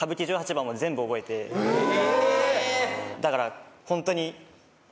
だからホントに。